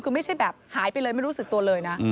คือไม่ใช่แบบหายไปเลยไม่รู้สึกตัวเลยนะ